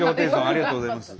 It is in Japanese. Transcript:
ありがとうございます。